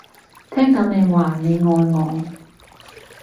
聽到你話你愛我